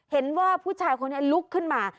เห็นว่าผู้ชายคนนี้ลุกขึ้นมา